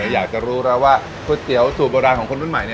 อยากจะรู้แล้วว่าก๋วยเตี๋ยวสูตรโบราณของคนรุ่นใหม่